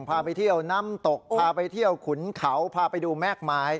พาไปเที่ยวน้ำตกพาไปเที่ยวขุนเขาพาไปดูแม่กไม้